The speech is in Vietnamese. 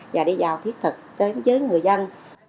và đi vào thiết thực với người dân